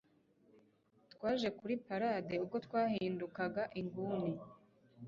Twaje kuri parade ubwo twahindukaga inguni